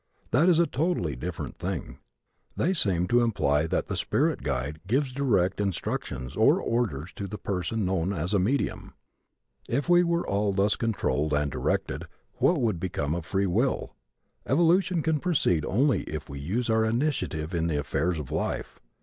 That is a totally different thing. They seem to imply that the "spirit guide" gives direct instructions or orders to the person known as a "medium." If we were all thus controlled and directed what would become of free will? Evolution can proceed only if we use our initiative in the affairs of life.